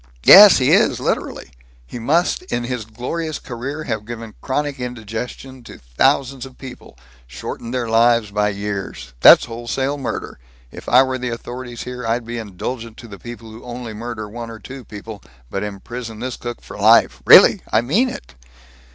"Yes he is, literally. He must in his glorious career have given chronic indigestion to thousands of people shortened their lives by years. That's wholesale murder. If I were the authorities here, I'd be indulgent to the people who only murder one or two people, but imprison this cook for life. Really! I mean it!"